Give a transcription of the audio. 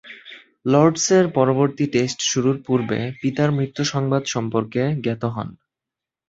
লর্ডসের পরবর্তী টেস্ট শুরুর পূর্বে পিতার মৃত্যু সংবাদ সম্পর্কে জ্ঞাত হন।